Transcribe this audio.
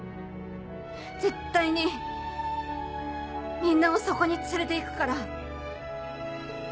絶対にみんなをそこに連れて行くから。